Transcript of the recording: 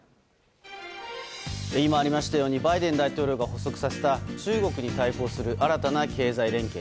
今ありましたようにバイデン大統領が発足させた中国に対抗する新たな経済連携。